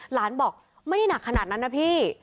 หลานบอกไม่ได้หนักขนาดนั้นนะพี่